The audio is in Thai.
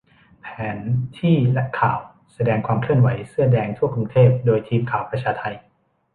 แผนที่และข่าว แสดงความเคลื่อนไหวเสื้อแดงทั่วกรุงเทพ โดยทีมข่าวประชาไท